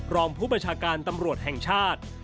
รองผู้ประชาการตำรวจแห่งชาติ